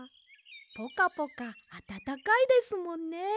ポカポカあたたかいですもんね。